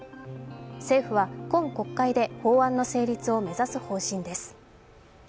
政府は今国会で法案の成立を目指す方針です。